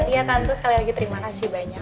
tiantia tante sekali lagi terima kasih banyak